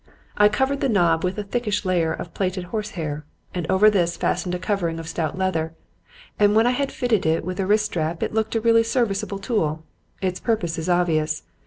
I covered the knob with a thickish layer of plaited horsehair, and over this fastened a covering of stout leather; and when I had fitted it with a wrist strap it looked a really serviceable tool. Its purpose is obvious.